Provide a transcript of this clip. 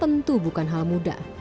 tentu bukan hal mudah